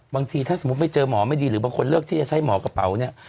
บางทีถ้าสมมุติไม่เจอหมอไม่ดีหรือบางคนเลือกที่จะใช้หมอกระเป๋าเนี่ย